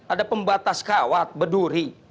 ada pembatas kawat beduri